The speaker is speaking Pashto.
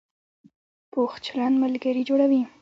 پوخ چلند ملګري جوړوي